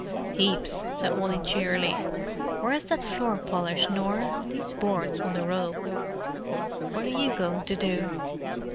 "Heaps," said Wally cheerily. "Where's that floor polish, Nor? These boards want a rub. What are you going to do?"